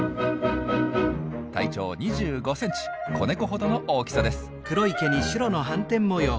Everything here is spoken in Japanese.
体長２５センチ子猫ほどの大きさです。